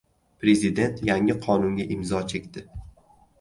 Prezident yangi qonunga imzo chekdi